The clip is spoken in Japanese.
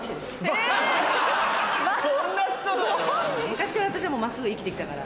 昔から私は真っすぐ生きて来たから。